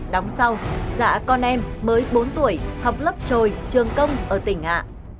đóng sau dạ con em mới bốn tuổi học lớp trồi trường công ở tỉnh hạ